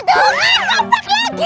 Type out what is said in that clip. tuh kan kompak lagi